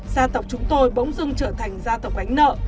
gia tộc chúng tôi bỗng dưng trở thành gia tộc ánh nợ